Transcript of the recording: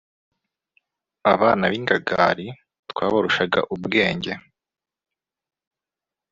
abana b’ingagali twabarushaga ubwenge